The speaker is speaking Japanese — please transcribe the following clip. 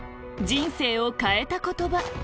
「人生を変えた言葉」